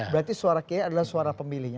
berarti suara kiai adalah suara pemilihnya